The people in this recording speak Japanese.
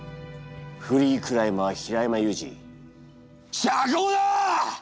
フリークライマー平山ユージ釈放だ！